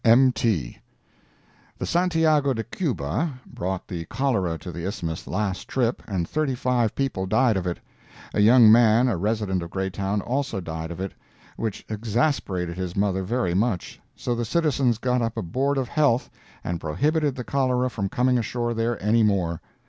—M. T.] The Santiago de Cuba brought the cholera to the Isthmus last trip, and thirty five people died of it. A young man, a resident of Greytown, also died of it, which exasperated his mother very much. So the citizens got up a Board of Health, and prohibited the cholera from coming ashore there anymore.